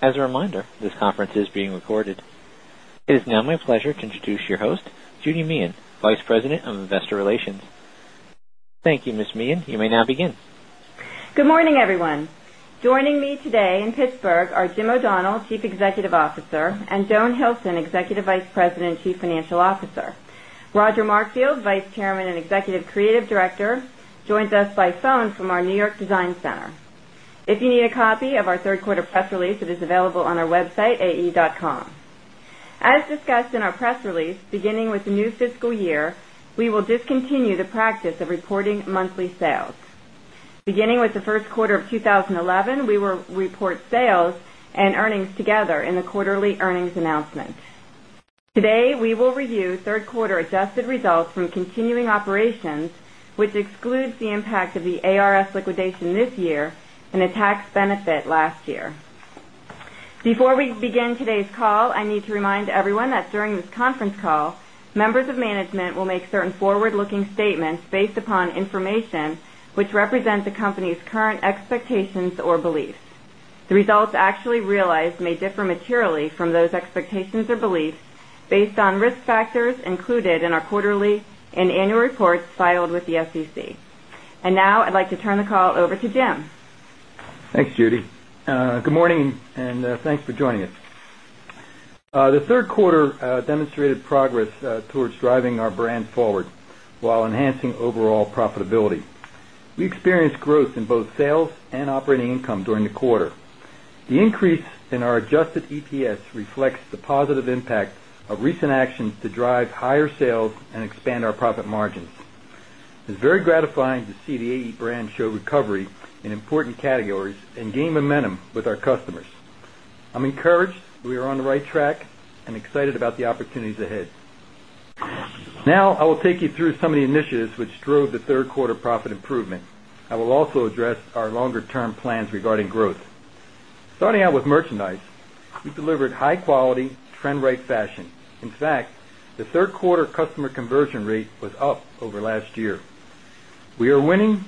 As a reminder, this conference is being recorded. It is now my pleasure to introduce your host, Judy Meehan, Vice President of Investor Relations. Thank you, Ms. Meehan. You may now begin. Good morning, everyone. Joining me today in Pittsburgh are Jim O'Donnell, Chief Executive Officer and Joan Hilson, Executive Vice President and Chief Financial Officer. Roger Markfield, Vice Chairman and Executive Creative Director joins us by phone from our New York Design Center. If you need a copy of our Q3 press release, it is available on our website ae.com. As discussed in our press release, beginning with the new fiscal year, we will discontinue the practice of reporting monthly sales. Beginning with the Q1 of 2011, we will report sales and earnings together in the quarterly earnings announcement. Today, we will review 3rd quarter adjusted results from continuing operations, which excludes the impact of the ARS liquidation this year and the tax benefit last year. Before we begin today's call, I need to remind everyone that during this conference call, members of management will make certain forward looking statements based upon information, which represent the company's current expectations or beliefs. The results actually realized may differ materially from those expectations or beliefs based on risk factors included in our quarterly and annual reports filed with the SEC. And now, I'd like to turn the call over to Jim. Thanks, Judy. Good morning and thanks for joining us. The Q3 demonstrated progress towards driving our brand forward, while enhancing overall profitability. We experienced growth in both sales and operating income during the quarter. The increase in our adjusted EPS reflects the positive impact of recent actions to drive higher sales and expand our profit margins. It's very gratifying to see the AE brand show recovery in important categories and gain momentum with our customers. I'm encouraged we are on the right track and excited about the opportunities ahead. Now, I will take you through some of the initiatives which drove the Q3 profit improvement. I will also address our longer term plans regarding growth. Starting out with merchandise, we delivered high quality, trend right fashion. In fact, the 3rd quarter customer conversion rate was up over last year. We are winning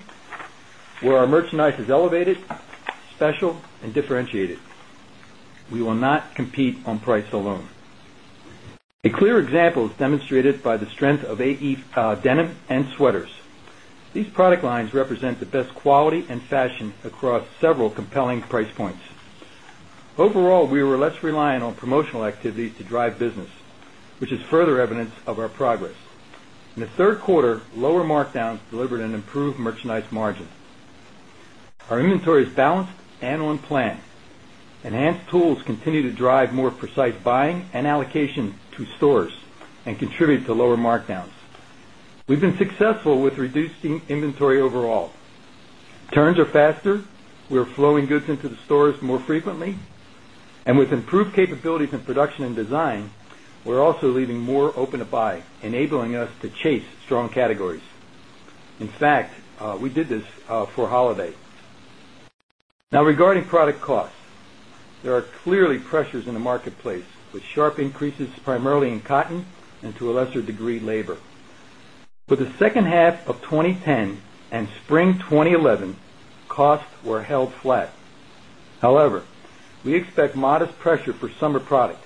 where our merchandise is elevated, special and differentiated. We will not compete on price alone. A clear example is demonstrated by the strength of AE Denim and Sweaters. These product lines represent the best quality and fashion across several compelling price points. Overall, we were less reliant on promotional activities to drive business, which is further evidence of our progress. In the Q3, lower markdowns delivered an improved merchandise margin. Our inventory is balanced and on plan. Enhanced tools continue to drive more precise and allocation to stores and contribute to lower markdowns. We've been successful with reducing inventory overall. Turns are faster, we are flowing goods into the stores more frequently and with improved capabilities in production and design, we're also leaving more open to buy, enabling us to chase strong categories. In fact, we did this for holiday. Now regarding product costs, there are clearly pressures in the marketplace with sharp increases primarily in cotton and to a lesser degree labor. For the second half of twenty ten and spring twenty eleven costs were held flat. However, we expect modest pressure for summer product.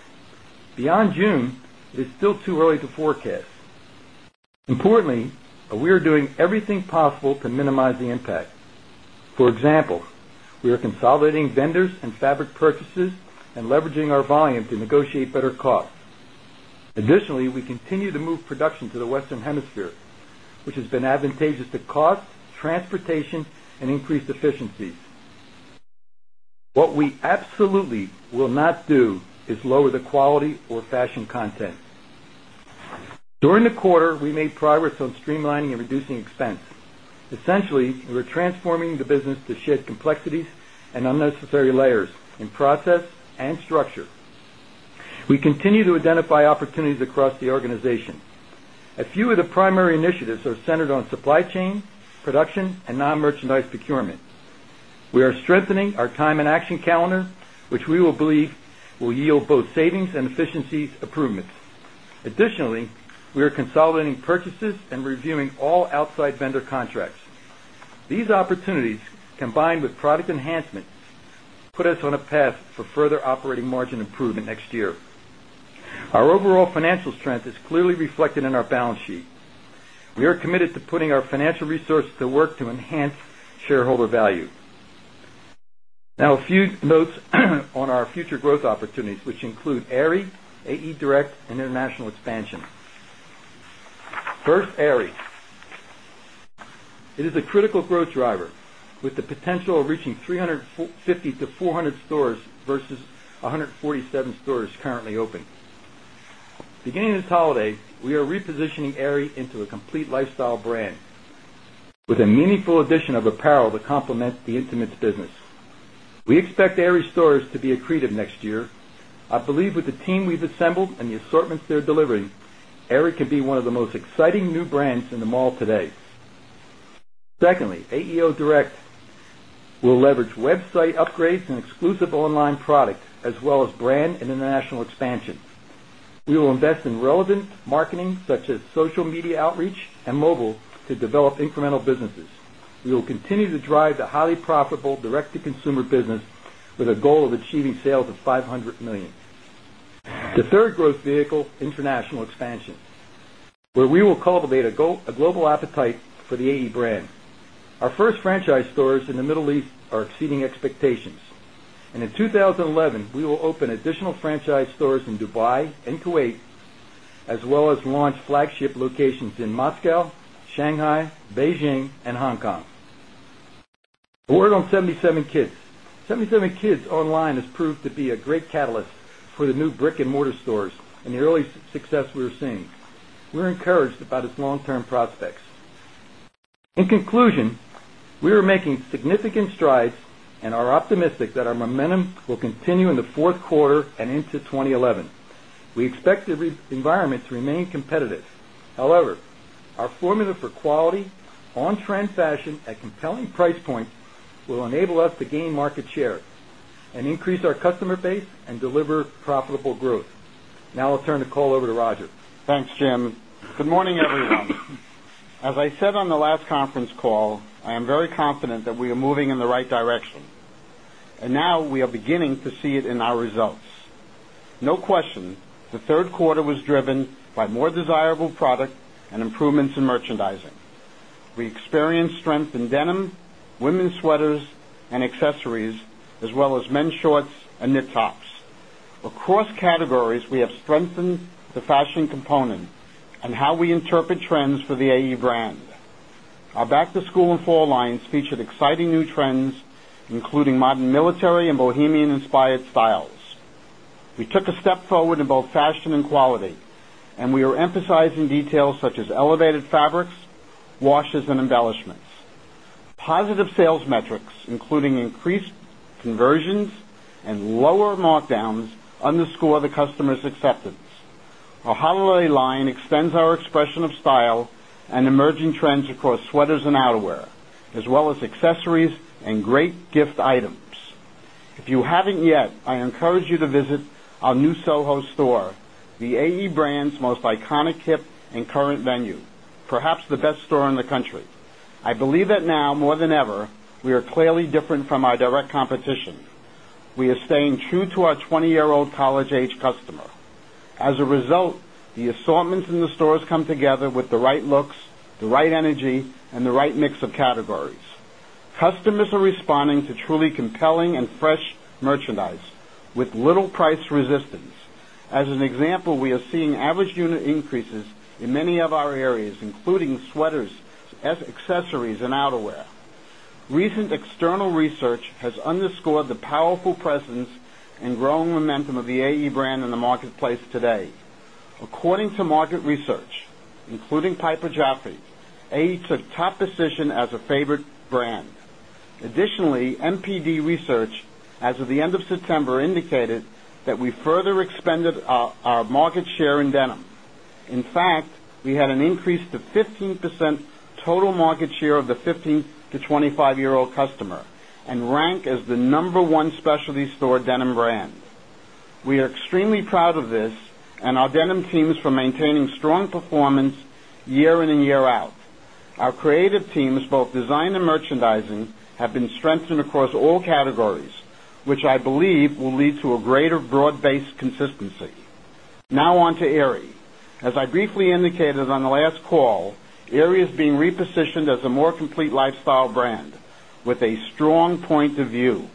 Beyond June, it is still too early to forecast. Importantly, we are doing everything possible to minimize the impact. For example, we are consolidating vendors and fabric purchases and leveraging our volume to negotiate better costs. Additionally, we continue to move production to the Western Hemisphere, which has been advantageous to cost, transportation and increased efficiencies. What we absolutely will not do is lower the quality or fashion content. During the quarter, we made progress on streamlining and reducing expense. Essentially, we're transforming the business to shed complexities and unnecessary layers in process and structure. We continue to identify opportunities across the organization. A few of the primary initiatives are centered on supply chain, production and non merchandise procurement. We are strengthening our time in action time and action calendar, which we will believe will yield both savings and efficiencies improvements. Additionally, we are consolidating purchases and reviewing all outside vendor contracts. These opportunities combined with product enhancements put us on a path for further operating margin improvement next year. Our overall financial strength is clearly reflected in our balance sheet. We are committed to putting our financial resources to work to enhance shareholder value. Now a few notes on our future growth opportunities, which include Aerie, AE Direct and international expansion. 1st Aerie, it is a critical growth driver with the potential of reaching 350 to 400 stores versus 147 stores currently open. Beginning this holiday, we are repositioning Aerie into a complete lifestyle brand with a meaningful addition of apparel to complement the business. We expect Aerie stores to be accretive next year. I believe with the team we've assembled and the assortments they're delivering, Aerie can be one of the most exciting new brands in the mall today. Secondly, AEO Direct will leverage website upgrades and exclusive online product as well as brand and international expansion. We will invest in relevant marketing such as social media outreach and mobile to develop incremental businesses. We will continue to drive profitable direct to consumer business with a goal of achieving sales of $500,000,000 The 3rd growth vehicle, international expansion, where we will cultivate a global appetite for the AE brand. Our first franchise stores in the Middle East are exceeding expectations. And in 2011, we will open additional franchise stores in Dubai and Kuwait as well as launch flagship locations in Moscow, Shanghai, Beijing and Hong Kong. Board on 77 Kids, 77 Kids Online has proved to be a great catalyst for the new brick and mortar stores and the early success we're seeing. We're encouraged about its long term prospects. In conclusion, we are making significant strides and are optimistic that our momentum will continue in the Q4 and into 2011. We expect the environment to remain competitive. However, our formula for quality, on fashion at compelling price points will enable us to gain market share and increase our customer base and deliver profitable growth. Now, I'll turn the call over to Roger. Thanks, Jim. Good morning, everyone. As I said on the last conference call, I am very confident that we are moving in the right direction. And now we are beginning to see it in our results. No question, the Q3 was driven by more desirable product and improvements in merchandising. We experienced strength in denim, women's sweaters and accessories as well as men's shorts and knit tops. Across categories, we have strengthened the fashion component and how we interpret trends for the AE brand. Our back to school and fall lines featured exciting new trends, including modern military and Bohemian inspired styles. We took a step forward in both fashion and quality and we are emphasizing details such as elevated fabrics, washes and embellishments. Positive sales metrics including increased conversions and lower markdowns underscore the customer's acceptance. Our holiday line extends our expression of style and emerging trends across sweaters and outerwear as well as accessories and great gift items. If you haven't yet, I encourage you to visit our new SoHo store, the AE brand's most iconic hip and current venue, perhaps the best store in the country. I believe that now more than ever, we are clearly different from our direct competition. We are staying true to our 20 year old college age customer. As a result, the assortments the stores come together with the right looks, the right energy and the right mix of categories. Customers are responding to truly compelling and fresh merchandise with little price resistance. As an example, we are seeing average unit increases in many of our areas, including sweaters, accessories and outerwear. Recent external research has underscored the powerful presence and growing momentum of the AE brand in the marketplace today. According to market research, including Piper Jaffray, AE took top position as a favorite brand. Additionally, MPD research as of the end of September indicated that we further expanded our market share in denim. In fact, we had an increase to 15% total market share of the 15 to 25 year old customer and rank as the one specialty store denim brand. We are extremely proud of this and our denim teams for maintaining strong performance year in and year out. Our creative teams, both design and merchandising, have been strengthened across all categories, which I believe will lead to a been strengthened across all categories, which I believe will lead to a greater broad based consistency. Now on to Aerie. As I briefly indicated on the last call, Aerie is being repositioned as a more complete lifestyle brand with a strong point of view.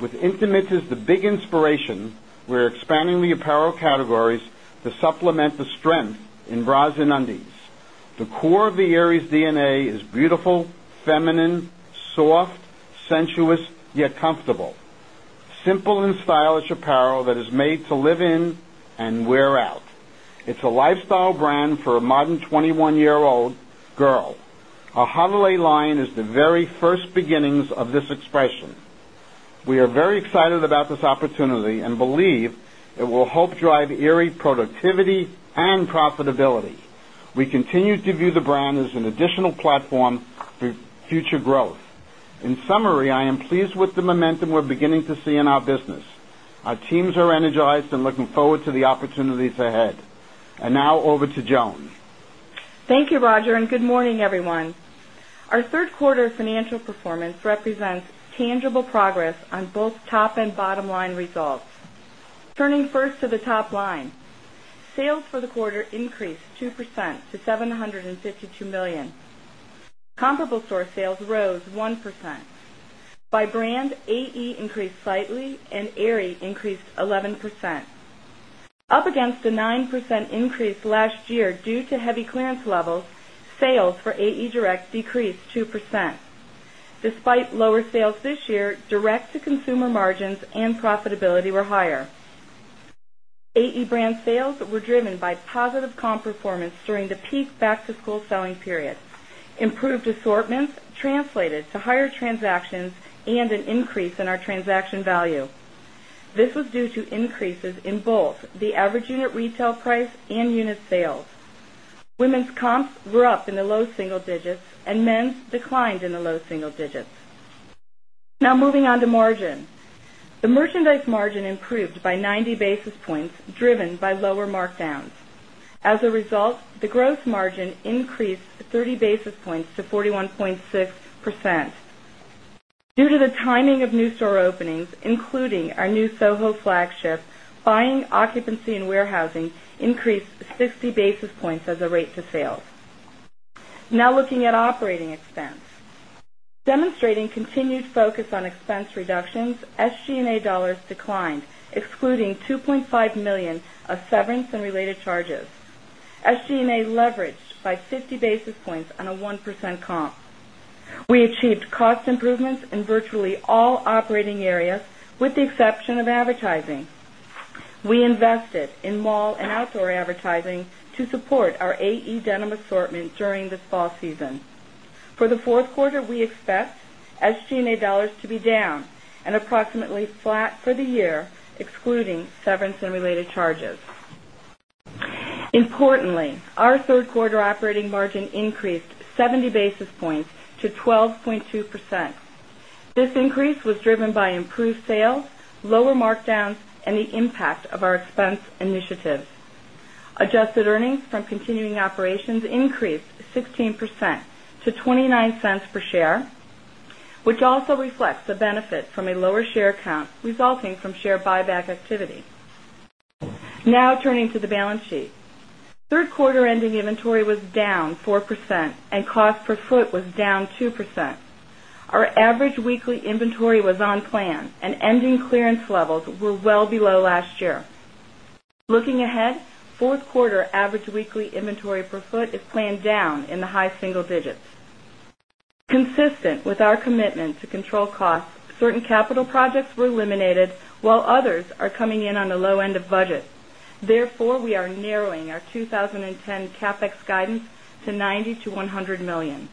With intimates as the big inspiration, we're expanding the apparel categories to supplement the strength in bras and undies. The core of the Ares DNA is beautiful, 21 year old girl. Our Holiday line is the very first beginnings of this expression. We are very excited about this opportunity and believe it will help drive Erie productivity and profitability. We continue to view the brand as an additional platform for future growth. In summary, I am pleased with the momentum we're beginning to see in our business. Our teams are energized and looking forward to the opportunities ahead. And now over to Joan. Thank you, Roger, and good morning, everyone. Our Q3 financial performance represents tangible progress on both top and bottom line results. Turning first to the top line. Sales for the quarter increased 2% to $752,000,000 Comparable store sales rose 1%. By brand, AE increased slightly and Aerie increased 11%, Up against a 9% increase last year due to heavy clearance levels, sales for AE Direct decreased 2%. Despite lower sales this year, direct to consumer margins brand sales were driven by positive comp performance during the peak back to school selling period. Improved assortments translated to higher transactions and an increase in our transaction value. This was due to increases in both the average unit retail price and unit sales. Women's comps were up in the low single digits and men's declined in the low single digits. Now moving on to margin. The merchandise margin improved by 90 basis points driven by lower markdowns. As a result, the gross margin increased 30 basis points to 41.6%. Due to the timing of new store openings, including our new SoHo flagship, buying, occupancy and warehousing increased 60 basis points as a rate to sales. Now looking at operating expense. Demonstrating at operating expense. Demonstrating continued focus on expense reductions, SG and A dollars declined excluding $2,500,000 of severance and related charges. SG and A leveraged by 50 basis points on a 1% comp. We achieved cost improvements in virtually all operating areas with the exception of advertising. We invested in mall and outdoor advertising to support our AE denim assortment during this fall season. For the 4th quarter, we expect SG and A dollars to be down and approximately flat for the year excluding severance and related charges. Importantly, our 3rd quarter operating margin increased 70 basis 0.29 percent to $0.29 per share, which also reflects the benefit from a lower share count resulting from share buyback activity. Now turning to the balance sheet. 3rd quarter ending inventory was down 4% and cost per foot was down 2%. Our average weekly inventory was on plan and ending clearance levels were well below last year. Looking ahead, 4th quarter average weekly inventory per foot is planned down in the high single digits. Consistent with our commitment to control costs, certain capital projects were eliminated, while others are coming in on the low end of budget. Therefore, we are narrowing our 2010 CapEx guidance to $90,000,000 to $100,000,000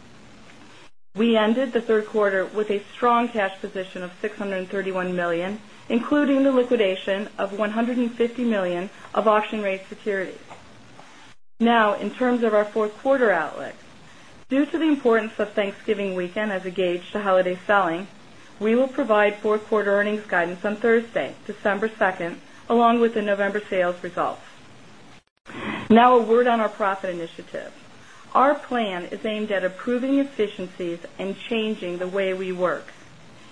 We ended the Q3 with a strong cash position of $631,000,000 including the liquidation of $150,000,000 of auction rate securities. Now in terms of our Q4 outlook, due to the importance of Thanksgiving weekend as a gauge to holiday selling, we will provide 4th quarter earnings guidance on Thursday, December 2 along with the November sales results. Now a word on our profit initiative. Our plan is aimed at improving efficiencies and changing the way we work.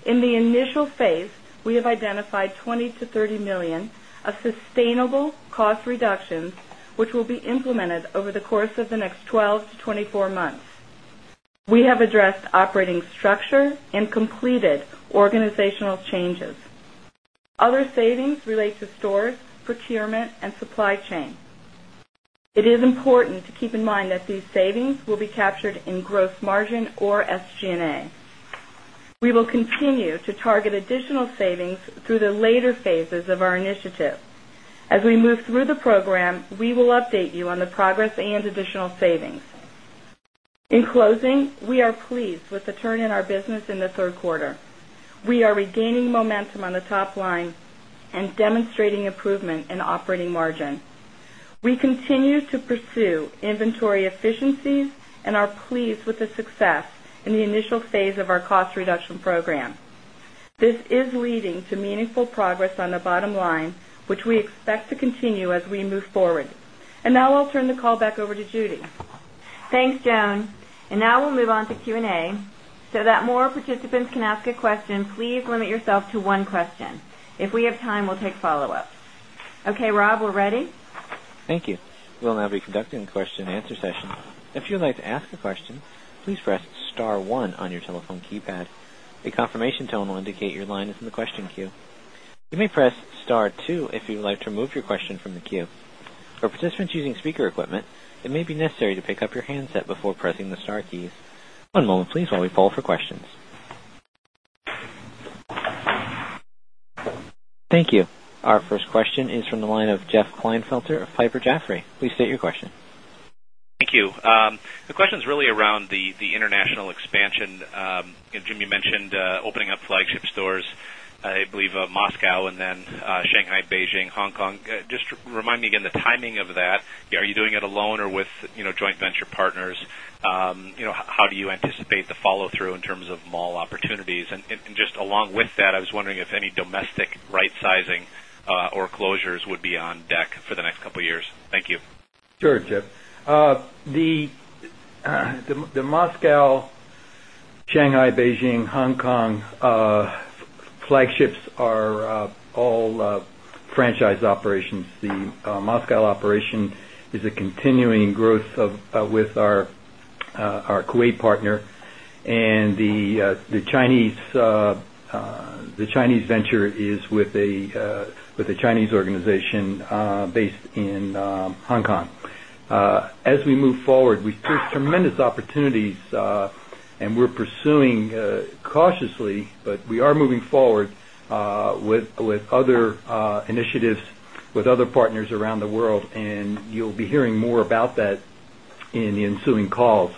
In the initial phase, we have identified $20,000,000 to $30,000,000 of sustainable cost reductions, which will be implemented over the course of the next 12 to 24 months. We have addressed operating structure and completed organizational changes. Other savings relate to stores, procurement and supply chain. It is important to keep in mind that these savings will be captured in gross margin or SG and A. We will continue to target additional savings through the later phases of our initiative. As we move through the program, we will update you on the progress and additional savings. In closing, we are pleased with the turn in our business in the Q3. We are regaining momentum on the top line and demonstrating improvement in operating margin. We continue to pursue inventory efficiencies and are pleased with the success in the initial operating margin. We continue to pursue inventory efficiencies and are pleased with the success in the initial phase of our cost reduction program. This is leading to meaningful progress on the bottom line, which we expect to continue as we move forward. And now I'll turn the call back over to Judy. Thanks, Joan. And now we'll move on to Q and A. So that more participants can ask a question, please limit yourself to one question. If we have time, we'll take follow-up. Okay, Rob, we're ready. Thank you. We'll We'll Thank you. Our first question is from the line of Jeff Klinefelter of Piper Jaffray. Please state your question. Thank you. The question is really around the international expansion. Jim, you mentioned opening up flagship stores, I believe Moscow and then Shanghai, Beijing, Hong Kong. Just remind me again the timing of that. Are you doing it alone or with joint venture partners? How do you anticipate the follow through in terms of mall opportunities? And just along with that, I was wondering if any domestic rightsizing or closures would be on deck for the next couple of years? Thank you. Sure, Jeff. The Moscow, Shanghai, Beijing, Hong Kong flagships are all franchise operations. The Moscow operation is a continuing growth with our Kuwait partner and the Chinese venture is with a Chinese organization based in Hong Kong. As we move forward, we see tremendous opportunities and we're pursuing cautiously, but we are moving forward with other initiatives with other partners around the world and you'll be hearing more about that in the ensuing calls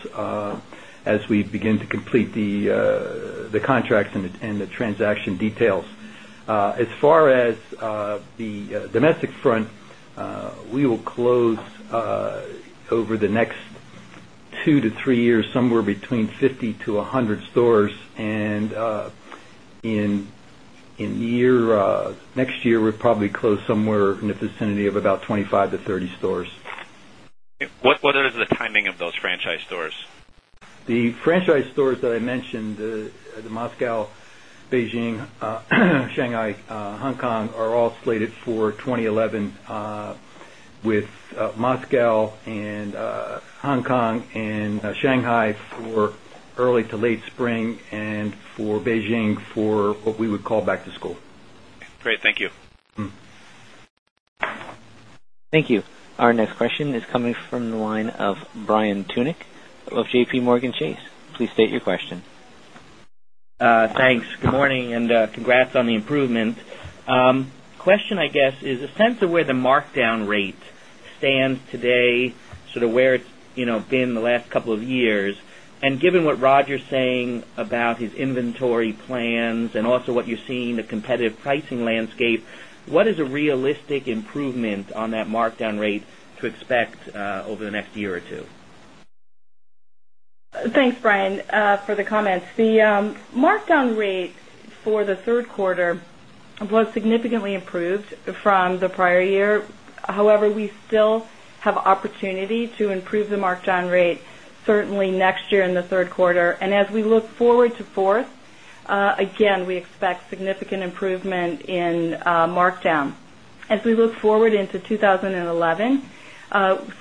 as we begin to complete the contracts and the transaction details. As far as the domestic front, we will close over the next 2 to 3 years somewhere between 50 to 100 stores and in the year next year we'll probably close somewhere in the vicinity of about 25 to 30 stores. What is the timing of those franchise stores? The franchise stores that I mentioned, the Moscow, Beijing, Shanghai, Hong Kong are all slated for 2011 with Moscow and Hong Kong and Shanghai for early to late spring and for Beijing for what we would call back to school. Great. Thank you. Thank you. Our next question is coming from the line of Brian Tunic of JPMorgan Chase. Please state your question. Thanks. Good morning and congrats on the improvement. Question I guess is a sense of where the markdown rate stands today sort of where it's been the last couple of years. And given what Roger is saying about his inventory plans and also what you're seeing in the competitive pricing landscape, what is a realistic improvement on that markdown rate to expect over the next year or 2? Thanks, Brian, for the comments. The markdown rate for the Q3 was significantly improved from the prior year. However, we still have opportunity to improve the markdown rate certainly next year in Q3. And as we look forward to 4th, again, we expect significant improvement in markdown. As we look forward into 2011,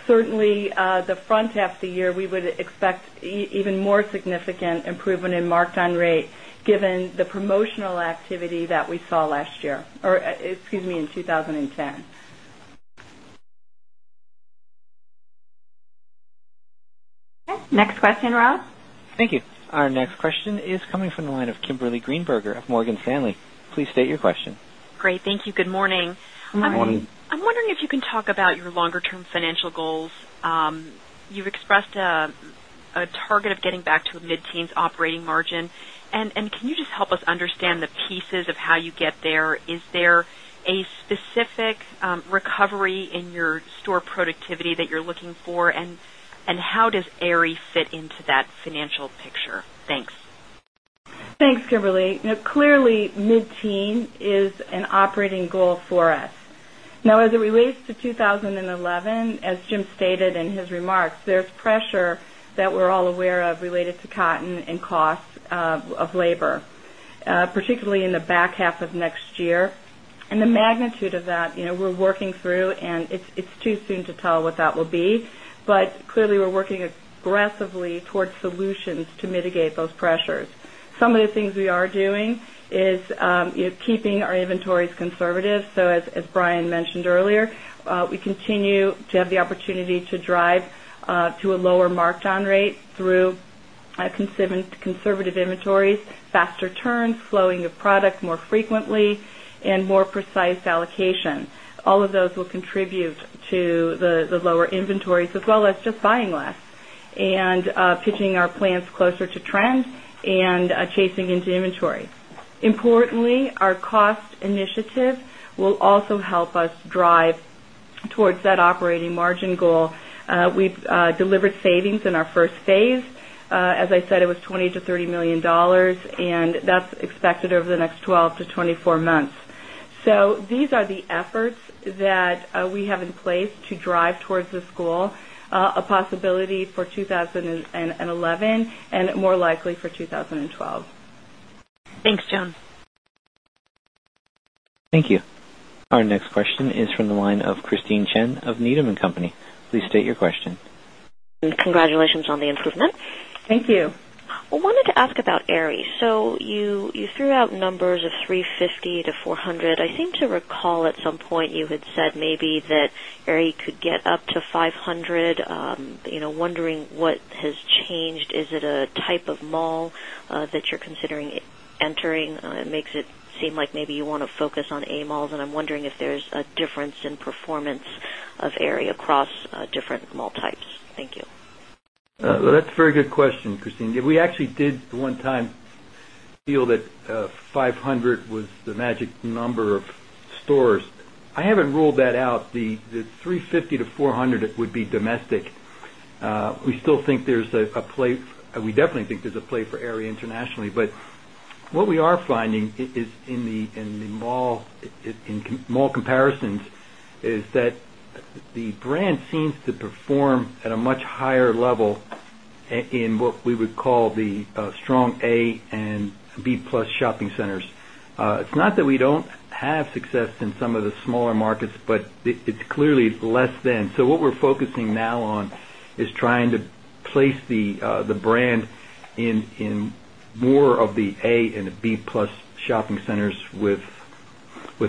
certainly the front half of the year we would expect even more significant improvement in markdown rate given the promotional activity that we saw last year or excuse me in 2010. Okay. Next question, Rob. Thank you. Our next question is coming from the line of Kimberly Greenberger of Morgan Stanley. Please state I'm wondering if you can talk about your longer term financial goals. You've expressed a target of getting back to a mid teens operating margin. And can you just help us understand the pieces of how you get there? Is there a specific recovery in your store productivity that you're looking for? And how does Aerie fit into that financial picture? Thanks. Thanks, Kimberly. Clearly, mid teen is an operating goal for us. Now as it relates to 2011, as Jim stated in his remarks, there's pressure that we're all aware of related to cotton and costs of labor, particularly in the back half of next year. And the magnitude of that, we're working through and it's too soon to tell what that will be. But clearly, we're working aggressively towards solutions to mitigate those pressures. Some of the things we are doing is keeping our inventories conservative. So as Brian mentioned earlier, we continue to have the opportunity to drive to a lower markdown rate through conservative inventories, faster turns, flowing of product more frequently and more precise allocation. All of those will contribute to the lower inventories as well as just buying less and pitching our plants closer to trend and chasing into inventory. Importantly, our cost initiative will also help us drive towards that operating margin goal. We've delivered savings in our first phase. As I said, it was $20,000,000 to $30,000,000 and that's expected over the next 12 months to 24 months. So these are the efforts that we have in place to drive towards the school, a possibility for 20 11 and more likely for 2012. Thanks, John. Likely for 2012. Thanks, John. Thank you. Our next question is from the line of Christine Chen of Needham and Company. Please state your question. Congratulations on the improvement. Thank you. I wanted to ask about Aerie. So you threw out numbers of 350 to 400. I seem to recall at some point you had said maybe that Aerie could get up to 500. Wondering what has changed. Is it a type of mall that you're considering entering? It makes it seem like maybe you want to focus on A malls and I'm wondering if there's a difference in performance of area across different mall types? Thank you. That's a very good question, Christine. We actually did one time feel that 500 was the magic number of stores. I haven't ruled that out. The 350 to 400 would be domestic. We still think there's a play we definitely think there's a play for Aerie internationally. But what we are finding is in the mall comparisons is that the brand seems to perform at a much higher level in what we would call the strong A and B plus shopping centers. It's not that we don't have success in some of the smaller markets, but it's clearly less than. So what we're focusing now on is trying to place the brand in more of the A and the B plus shopping centers with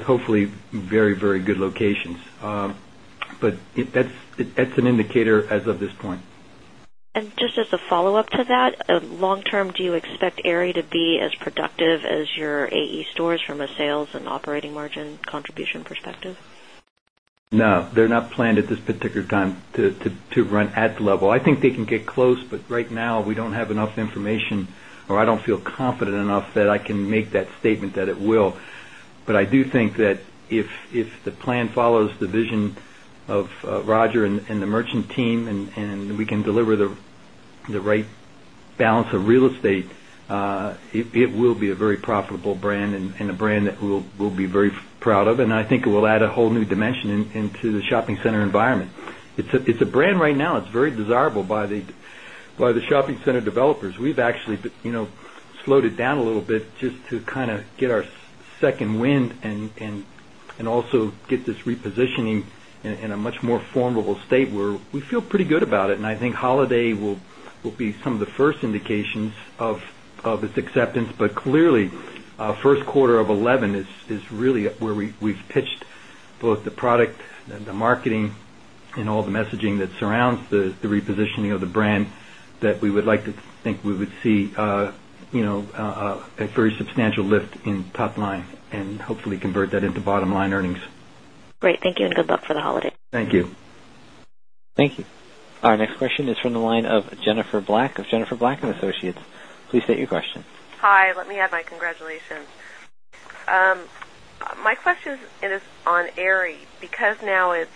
hopefully very, very good locations. But that's an indicator as of this point. And just a follow-up to that, long term do you expect Aerie to be as productive as your AE stores from a sales and operating margin contribution perspective? No, they're not planned at this particular time to run at level. I think they can get close, but right now we don't have enough information or I don't feel confident enough that I can make that statement that it will. But I do think that if the plan follows the vision of Roger and the merchant team and we can deliver the right balance of real estate, it will be a very profitable brand and a brand that we'll be very proud of. And I think it will add a whole new dimension into the shopping center environment. It's a brand right now, it's very desirable by the shopping center developers. We've actually slowed it down a little bit just to kind of get our second wind and also get this repositioning in a much more formidable state where we feel pretty good about it. And I think holiday will be some of the first indications of its acceptance. But clearly Q1 of 2011 is really where we've pitched both the product and the marketing and all the messaging that surrounds the repositioning of the brand that we would like to think we would see a very substantial lift in top line and hopefully convert that into bottom line earnings. Great. Thank you and good luck for the holiday. Thank you. Thank you. Our next question is from the line of Jennifer Black of Jennifer Black and Associates. Please state your question. Hi. My question is on Aerie, because now it's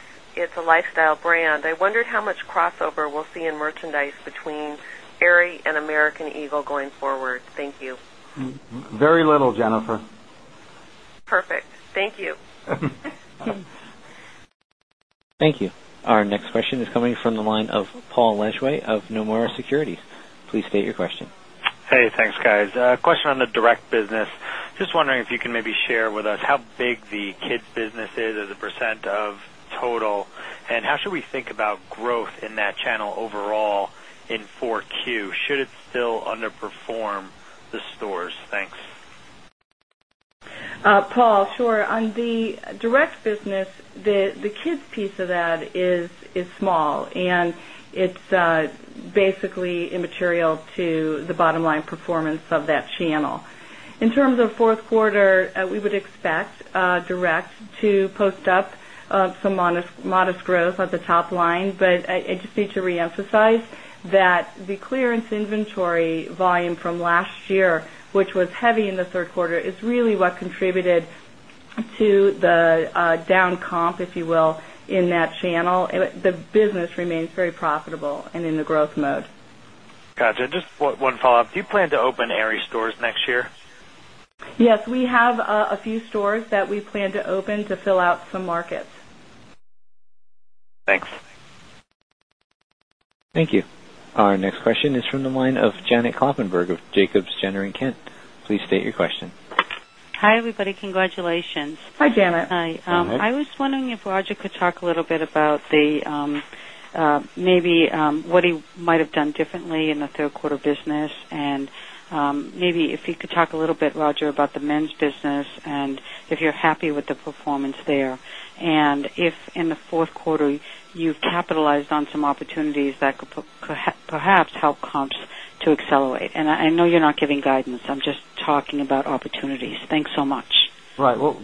a lifestyle brand. I wondered how much crossover we'll see in merchandise between Aerie and American Eagle going forward? Thank you. Very little, Jennifer. Perfect. Thank you. Thank you. Our next question is coming from the line of Paul Lejuez of Nomura Securities. Please state your question. Hey, thanks guys. A question on the direct business. Just wondering if you can maybe share with us how big the kids business is as a percent of total and how should we think about growth in that channel overall in 4Q? Should it still underperform the stores? Thanks. Paul, sure. On the direct business, the kids piece of that is small and it's basically immaterial to the bottom line performance of that channel. In terms of modest growth at the top line, but I just need to reemphasize that the clearance inventory volume from last year, which was heavy in the Q3 is really what contributed to the down comp, if you will, in that channel. Some markets. Thanks. Thank you. Our next question is from the line of Janet Kloppenburg of Jacobs, Jenner and Kent. Please state your question. Hi, everybody. Congratulations. Hi, Janet. Hi. I was wondering if Roger could talk a little bit about the maybe what he might have done differently in the 3rd quarter business? And maybe if you could talk a little bit, Roger, about the men's business and if you're happy with the performance there? And if in the Q4 you've capitalized on some opportunities that could perhaps help comps to accelerate? And I know you're not giving guidance. I'm just talking about opportunities. Thanks so much. Right. Well,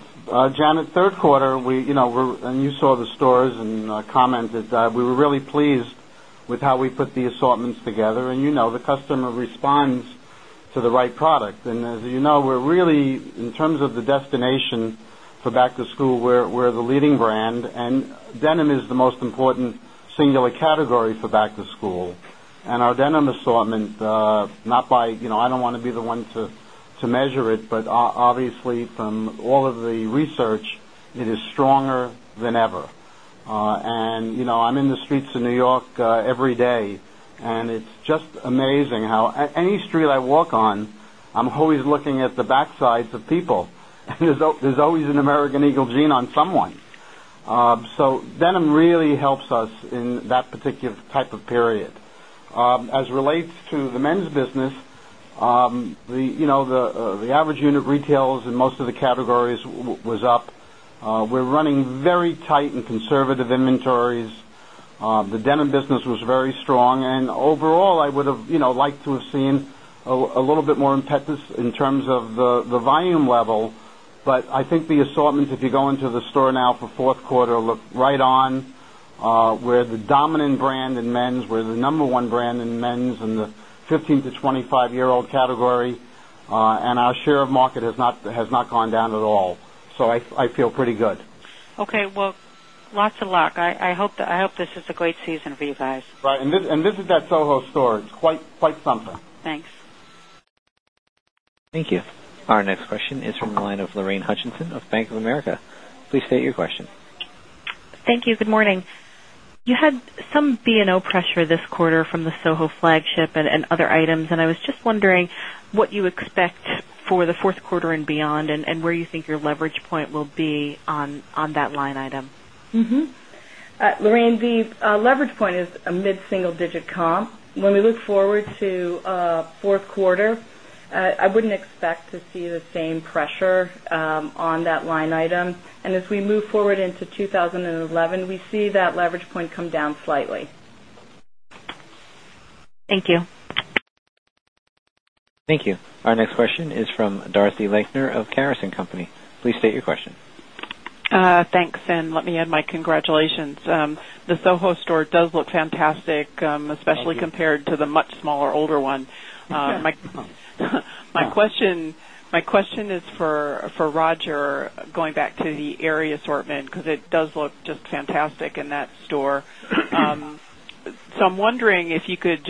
Janet, Q3, we and you saw the stores and commented that we were really pleased with how we put the assortments together. And you know the customer responds to the right product. And as you know, we're really in terms of the destination for back to school, we're the leading brand and denim is the most important singular category for back to school. And our denim assortment, not by I don't want to be the one to measure it, but obviously from all of the research, it is stronger than ever. And I'm in the streets of New York every day and it's just amazing how any street I walk on, I'm always looking at the backsides of people and there's always an American Eagle Jean on someone. So denim really helps us in that particular type of period. As it relates to the Men's business, the average unit retails in most of the categories was up. We're running very tight and conservative inventories. The denim business was very strong. And overall, I would have liked to have seen a little bit more impetus in terms of the volume level. But I think the assortments, if you go into the store now for Q4, look right on. We're the dominant brand in men's. We're the number one brand in men's in the 15 to 25 year category. And our share of market has not gone down at all. So I feel pretty good. Okay. Well, lots of luck. I hope this is a great season for you guys. Right. And this is that Soho store. It's quite something. Thanks. Thank you. Our next question is from the line of Lorraine Hutchinson of Bank of America. Please state your question. Thank you. Good morning. You had some B and O pressure this quarter from the Soho Soho flagship and other items. And I was just wondering what you expect for the Q4 and beyond and where you think your leverage point will be on that line item? Lorraine, the leverage point is a mid single digit comp. When we look forward Q4, I wouldn't expect to see the same pressure on that line item. And as we move forward into 2011, we see that leverage point come down slightly. Thank you. Thank you. Our next question is from Dorothy Leichner of Karruys and Company. Please state your question. Thanks. And let me add my congratulations. The SoHo store does look fantastic, especially compared to the much smaller older one. My question is for Roger going back to the Aerie assortment because it does look just fantastic in that store. So I'm wondering if you could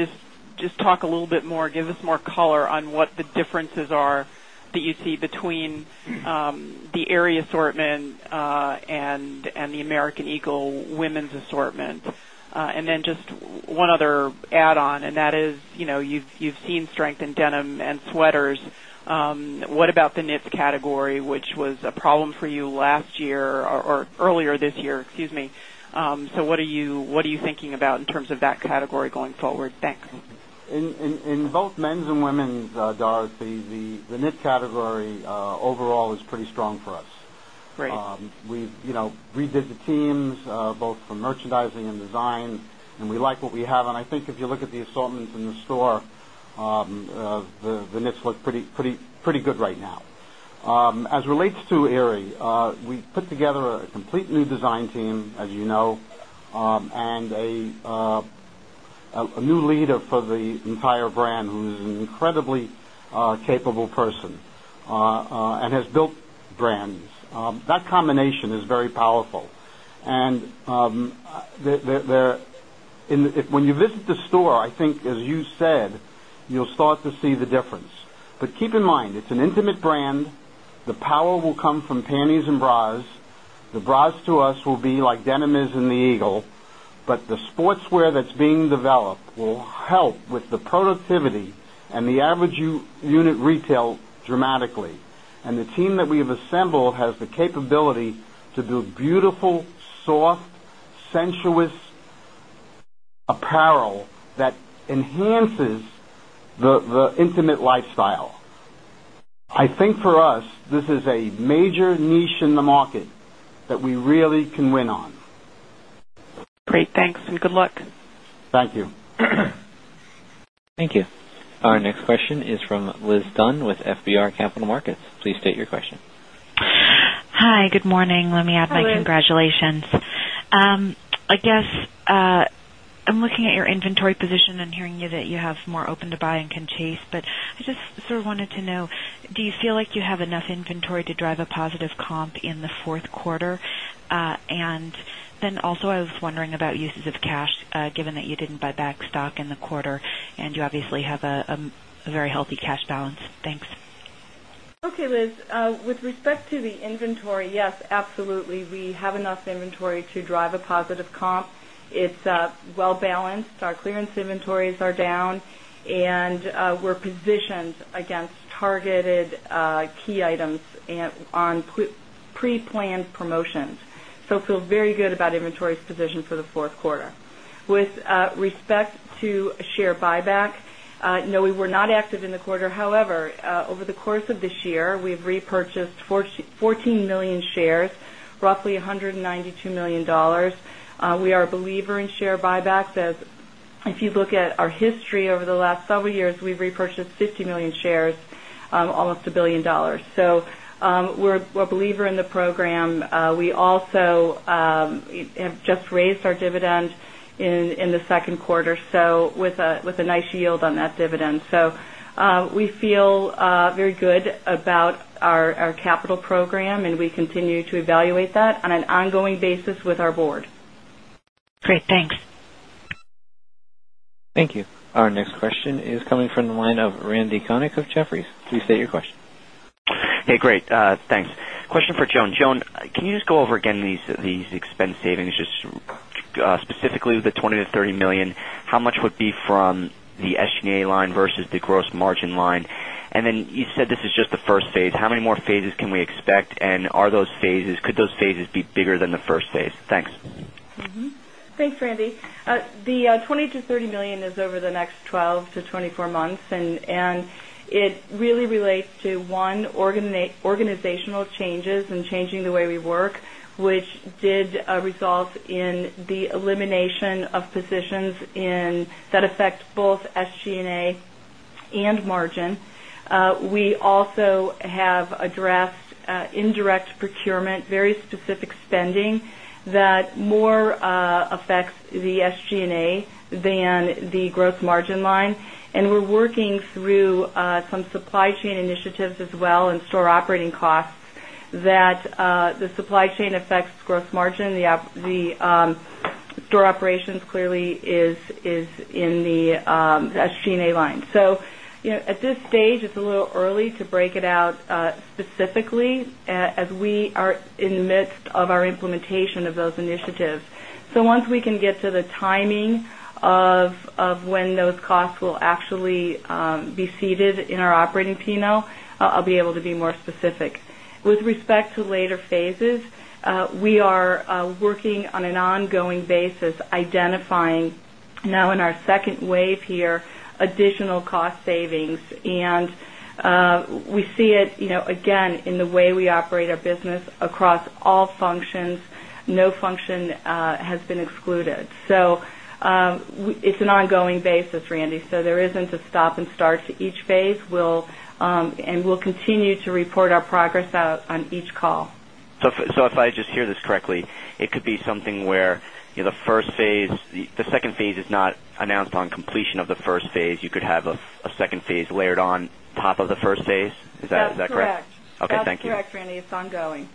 just talk a little bit more, give us more color on what And then just one other add on and that is, assortment? And then just one other add on and that is you've seen strength in denim and sweaters. What about the knit category, which was a problem for you last year or earlier this year? So what are you thinking about in terms of that category going forward? Thanks. In both men's and women's, Dorothee, the knit category overall is pretty strong for us. We redid the both from merchandising and design, and we like what we have. And I think if you look at the assortments in the store, the nets look pretty good right now. As it relates to Aerie, we put together a complete new design team, as you know, and a new leader for the entire brand who is an incredibly capable person and has built brands. That combination is very powerful. And when you visit the store, I think as you said, you'll start to see the difference. But keep in mind, it's an intimate brand. The power will come from panties and bras. The bras to us will be like Denim is in the Eagle, but the sportswear that's being developed will help with the productivity and the average unit retail dramatically. And the team that we have assembled has the capability to build beautiful, soft, sensuous apparel that enhances the intimate lifestyle. I think for us, this is a major niche in the market that we really can win on. Great. Thanks and good luck. Thank you. Thank you. Our next question is from Liz Dunn with FBR Capital Markets. Please state your question. Hi, good morning. Let me add my congratulations. I guess, I'm looking at your inventory position and hearing you that you have more open to buy and can chase. But I just sort of wanted to know, do you feel like you have enough inventory to drive a positive comp in the Q4? And then also I was wondering about uses of cash given that you didn't buy back stock in the quarter and you obviously have a very healthy cash balance. Thanks. Okay, Liz. With respect to the inventory, yes, absolutely we have enough inventory to drive a positive comp. It's well balanced. Our clearance inventories are down and we're positioned against targeted key items on preplanned promotions. So feel very good about inventories position for the Q4. With respect to share buyback, no, we were not active in the quarter. However, over the course of this year, we have repurchased 14,000,000 shares, roughly 192,000,000 dollars We are a believer in share buybacks. If you look at our history over the last several years, we've repurchased 50,000,000 shares, almost $1,000,000,000 So, we're a believer in the program. We also have just raised our dividend in the Q2, so with a nice yield on that dividend. So we feel very good about our capital program and we continue to evaluate that on an ongoing basis with our Board. Our next question is coming from the line of Randy Konik of Jefferies. Question for Joan. Joan, can you just go over again these expense savings, just specifically the $20,000,000 to $30,000,000 How much would be from the SG and A line versus the gross margin line? And then you said this is just the first phase. How many more phases can we expect? And are those phases could those phases be bigger than the first phase? Thanks. Thanks, Randy. The $20,000,000 to $30,000,000 is over the next 12 to 24 months. And it really relates to 1, organizational changes and changing the way we work, which did changing the way we work, which did result in the elimination of positions in that affect both SG and A and margin. We also have addressed indirect procurement, very specific spending that more affects the SG and A than the gross margin line. And we're working through some supply chain initiatives as well and store operating costs that the supply chain affects gross margin. The store operations clearly is in the SG and A line. So at this stage, it's a little early to break it out specifically as we are in the midst of our implementation of those initiatives. So once we can get to the timing of when those costs will actually be seated in our operating P and L, I'll be able to be more specific. With respect to later phases, we are working on an ongoing basis identifying now in our second wave here additional cost savings. And we see it again in the way we operate our business across all functions. No function has been excluded. So it's an ongoing basis, Randy. So there isn't a stop and start to each phase. We'll and we'll continue to report our progress on each call. So if I just hear this correctly, it could be something where the first phase the second phase is not announced on completion of the first phase, you could have a second phase layered on top of the first phase. Is that correct? That's correct. That's correct, Randy. It's ongoing.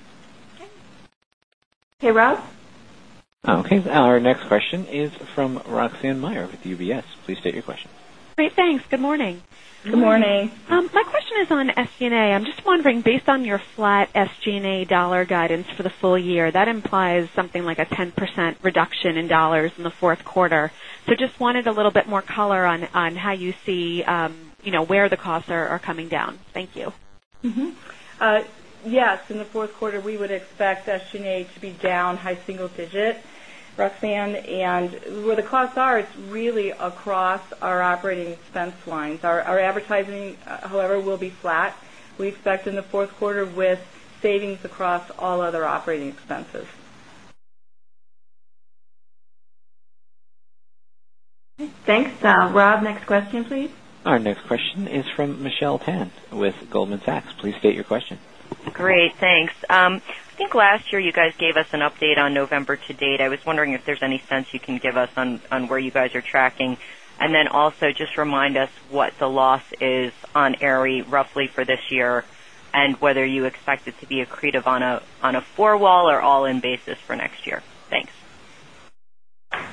Okay. Our next question is from Roxanne Meyer with UBS. Please state your question. Great. Thanks. Good morning. Good morning. My question is on SG and A. I'm just wondering based on your flat SG and A dollar guidance for the full year that implies something like a 10% reduction in dollars in the 4th quarter. So just wanted a little bit more color on how you see where the costs are coming down? Thank you. Yes. In the Q4, we would expect SG and A to be down high single digit Roxanne. And where the costs are, it's really across our operating expense lines. Our advertising, however, will be flat. We expect in the next question please. Our next question is from Michelle Tan with Goldman Sachs. Please state your question. Great. Thanks. I think last year you guys gave us an update on November to date. I was wondering if there's any sense you can give us on where you guys are tracking. And then also just remind us what the loss is on Aerie roughly for this year and whether you expect it to be accretive on a 4 wall or all in basis for next year? Thanks.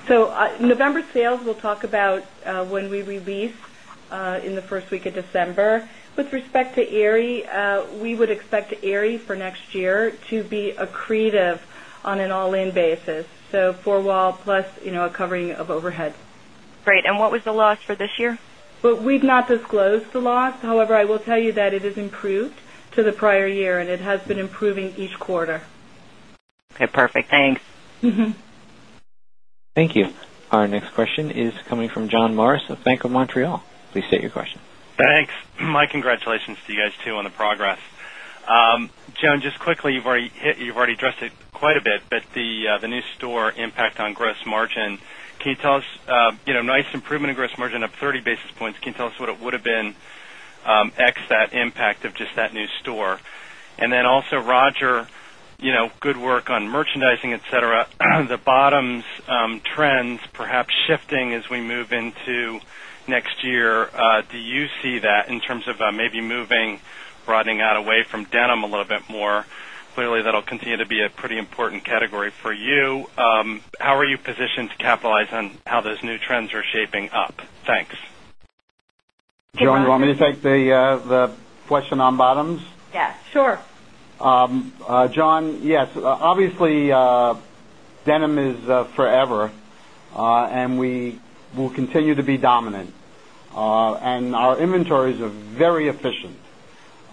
So November sales, we'll talk about when we release in the 1st week of December. With respect to Aerie, we would expect Aerie for next year to be accretive on an all in basis. So 4 wall plus covering of overhead. Great. And what was the loss for this year? But we've not disclosed the loss. However, I will tell you that it has improved to the prior year and it has been improving each quarter. Okay. Perfect. Thanks. Thank you. Our next question is coming from John Morris of of Montreal. Please state your question. Thanks. My congratulations to you guys too on the progress. Joan, just quickly, you've already addressed it quite a bit, but the new store impact on gross margin, can you tell us nice improvement in gross margin, up 30 basis points. Can you tell us what it would have been ex that impact of just that new store? And then also, Roger, good work on merchandising, etcetera. The bottoms trends perhaps shifting as we move into next year, do you see that in terms of maybe moving, broadening out away from denim a little bit more? Clearly, that will continue to be a pretty important category for you. How are you positioned to capitalize on how those new trends are shaping up? Thanks. Joan, do you want me to take the question on bottoms? Yes, sure. John, yes, obviously, denim is forever and we will continue to be dominant. And our inventories are very efficient.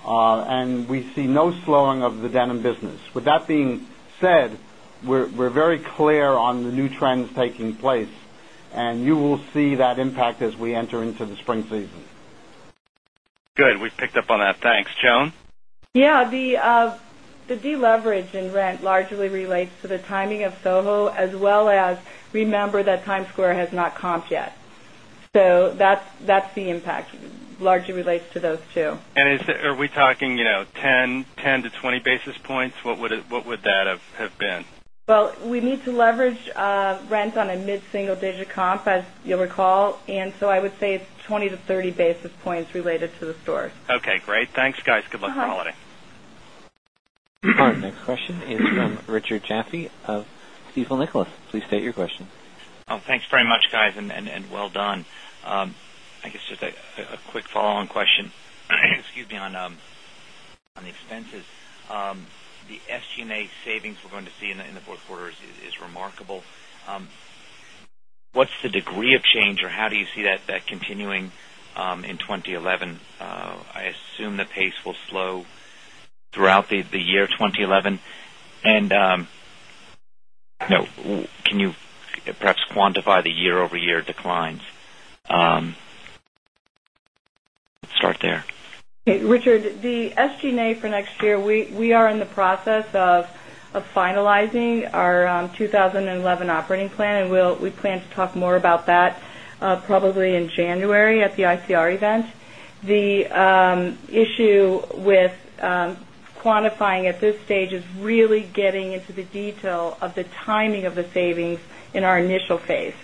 And we see no slowing of the denim business. With that being said, we're very clear on the new trends taking place and you will see that impact as we enter into the spring season. Good. We picked up on that. Thanks. Joan? Yes. The deleverage in rent largely relates to the timing of Soho as well as remember that Times Square has not comped yet. So that's the impact largely relates to those 2. And are we talking 10 to 20 basis points? What would that have been? Well, we need to leverage rent on a mid single digit comp as you'll recall. And so I would say it's 20 to 30 basis points related to the stores. Our next question is from Richard Jaffe of Stifel Nicolaus. Please state your question. Thanks very much guys and well done. I guess just a quick follow on question on the expenses. The SG and A savings we're going to see in the Q4 is remarkable. What's the degree of change or how do you see continuing in 2011? I assume the pace will slow throughout the year 2011. And can you perhaps quantify the year over year declines? Let's start there. Richard, the SG and A for next year, we are in the process of finalizing our 2011 operating plan and we plan to talk more about that probably in January the ICR event. The issue with quantifying at this stage is really getting into the detail of the timing of the savings in our initial phase.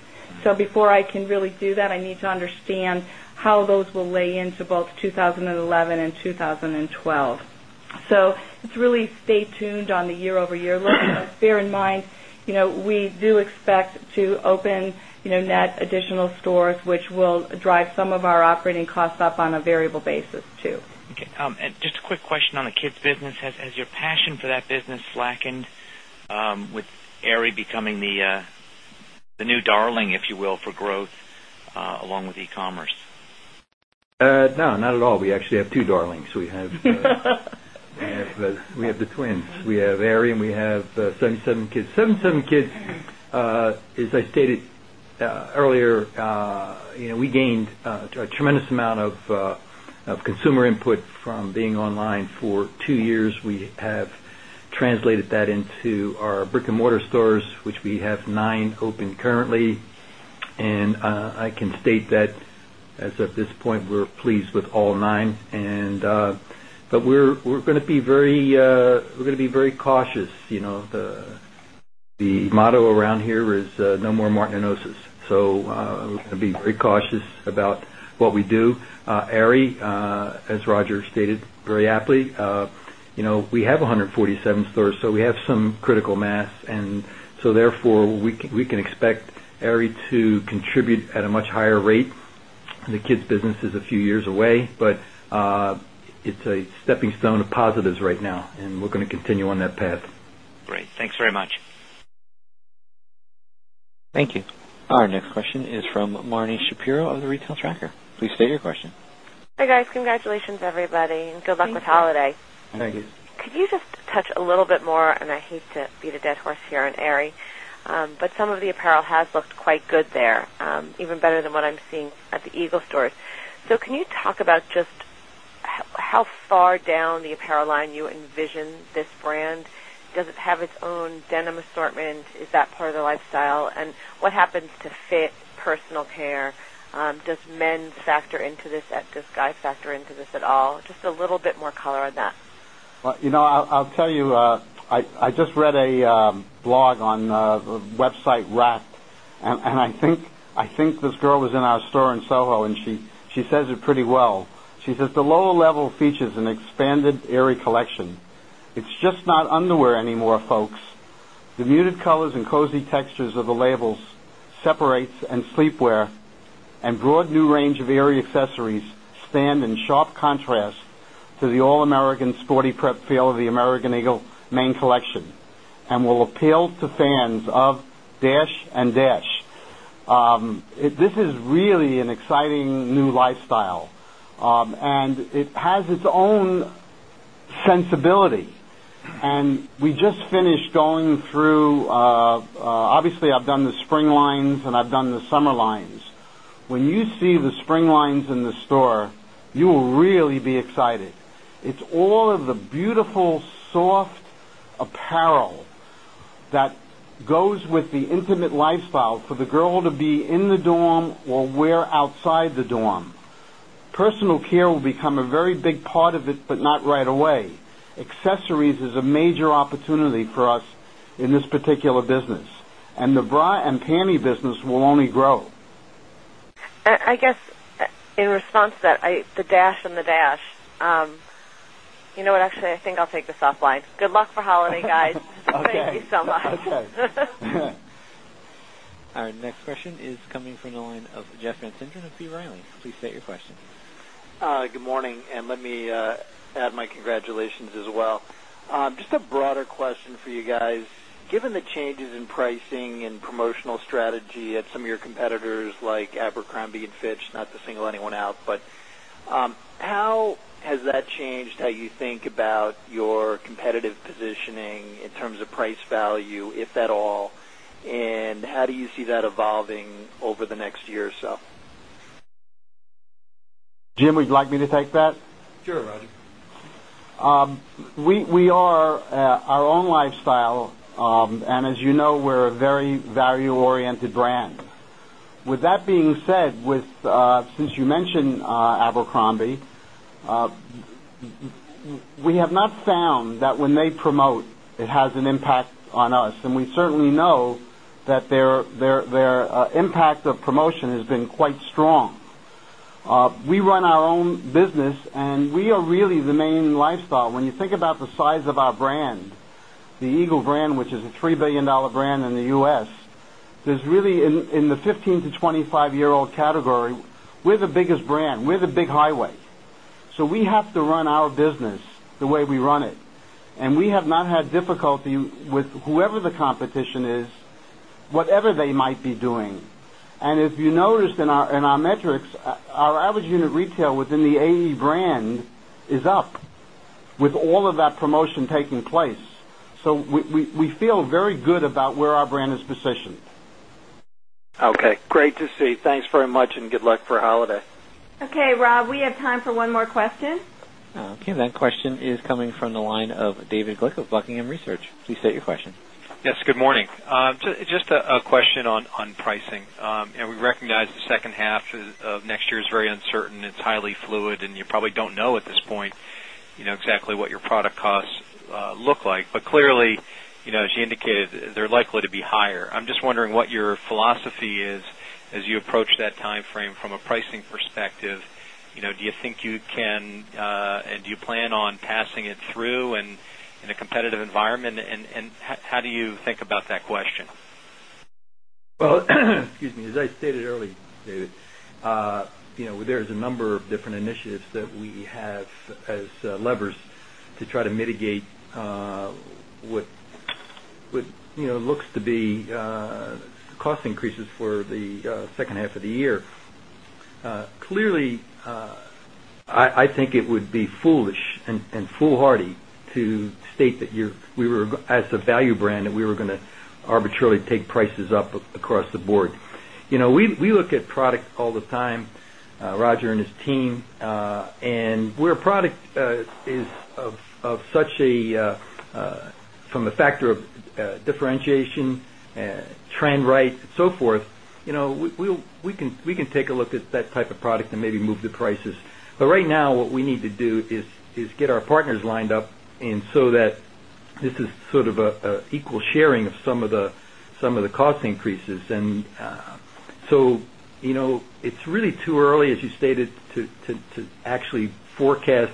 So before I can really do that, I need to understand how those will lay into both 20 11 2012. So it's really stay tuned on the year over year look. Bear in mind, we do look. Bear in mind, we do expect to open net additional stores, which will drive some of our operating costs up on a variable basis too. Okay. And just a quick question on the kids business. Has your passion for that business slackened with Aerie becoming the new darling if you will for growth along with e commerce? No, not at all. We actually have 2 darlings. We have the twins. We have Aerie and we have 77 Kids. 77 Kids as I stated earlier, we gained tremendous amount of consumer input from being online for 2 years. We have translated that into our brick and mortar stores which we have 9 open currently. And I can state that as of this point we're pleased with all 9. And but we're going to be very cautious. The motto around here is no more Martin Enosis. So we're going to be very cautious about what we do. Aerie, as Roger stated very aptly, we have 147 stores, so we have some critical mass. And so therefore, we can expect Aerie to contribute at a much higher rate. The kids business is a few years away, but it's a stepping stone of positives right now and we're going to continue on that path. Great. Thanks very much. Thank you. Our next question is from Marni Shapiro of The Retail Tracker. Please state your question. Hi, guys. Congratulations everybody and good luck with holiday. Thank you. Could you just touch a little bit more and I hate to beat a dead horse here in Aerie, but some of the apparel has looked quite good there, even better than what I'm seeing at the Eagle stores. So can you talk about just how far down the apparel line you envision this brand? Does it have its own denim assortment? Is that part of the lifestyle? And what happens to fit personal care? Does men factor into this? Does guys factor into this at all? Just a little bit more color on that. I'll tell you, I just read a blog on the website RAT and I think this girl was in our store in SoHo and she says it pretty well. She says, The lower level features an expanded Aerie collection. It's just not underwear anymore, folks. The muted colors and cozy textures of the labels, separates and sleepwear and broad new range of Aerie accessories stand in sharp contrast to the all American sporty prep feel of prep And we just finished going through obviously, I've done the spring lines and I've done the summer lines. When you see the spring lines in the store, you will really be excited. It's all of the beautiful soft apparel that goes with the intimate lifestyle for the girl to be in the dorm or wear outside the dorm. Personal care will become a very big part of it, but not right away. Accessories is a major opportunity for us in this particular business and the bra and pammy business will only grow. I guess in response to that, the dash and the dash, you know what, actually I think I'll take this offline. Good luck for holiday guys. Thank you so much. Okay. Our next question is coming from the line of Jeff Van Sinderen of B. Riley. Please state your question. Good morning. And let me add my congratulations as well. Just a broader question for you guys. Given the changes in pricing and promotional strategy at some of your competitors like Abercrombie and Fitch, not to single anyone out. But how has that changed how you think about your competitive positioning in terms of price value, if at all? And how do you see that evolving over the next year or so? Over the next year or so? Jim, would you like me to take that? Sure, Roger. We are our own lifestyle. And as you know, we're a very value oriented brand. With that being said, with since you mentioned Abercrombie, we have not found that when they promote, it has an impact on us. And we certainly know that their impact of promotion has been quite strong. We run our own business and we are really the main lifestyle. When you think about the size of our brand, the Eagle brand, which is a $3,000,000,000 brand in the U. S, there's really in the 15 to 25 year old category, we're the biggest brand. We're the big highway. So we have to run our business the way we run it. And we have not had difficulty with whoever the competition is, whatever they might be doing. And if you metrics, our average unit retail within the A and E brand is up with all of that promotion taking place. So we feel very good about where our brand is positioned. Okay. Great to see. Thanks very much and good luck for holiday. Okay. Rob, we have time for one more question. Okay. That question is coming from the line of David Glick of Buckingham Research. Please state your question. Yes. Good morning. Just a question on pricing. We recognize the second half of next year is very uncertain, it's highly fluid and you probably don't know at this point exactly what your product costs look like. But clearly, as you indicated, they're likely to be higher. I'm just wondering what your philosophy is as you approach that timeframe from a pricing perspective. Do you think you can and do you plan on passing it through a to mitigate what looks to be cost increases for the second half of the year. Clearly, I think it would be foolish and foolhardy to state that you're we were as a value brand that we were going to arbitrarily take prices up across the board. We look at product all the time, prices. But right now what we need to do is get our and maybe move the prices. But right now what we need to do is get our partners lined up and so that this is sort of equal sharing of some of the cost increases. And so, it's really too early as you stated to actually forecast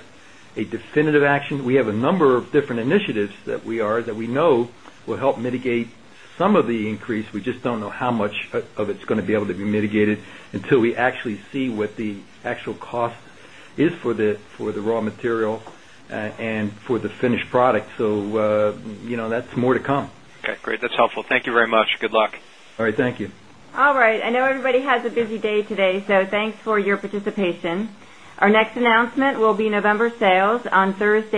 a definitive action. We have a number of different initiatives that we are that we know will help mitigate some of the increase. We just don't know how much of it's going to be able to be mitigated until we actually see what the actual cost is for the raw material and for the finished product. So, that's more to come. Luck. All right. Thank you. All right. I know everybody has a busy day today. So thanks for your participation. Our next announcement will be November sales on Thursday